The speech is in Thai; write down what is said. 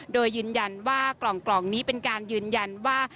โดยยืนยันว่ากล่องนี้เป็นการยืนยันว่า